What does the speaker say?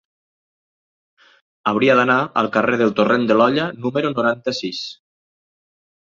Hauria d'anar al carrer del Torrent de l'Olla número noranta-sis.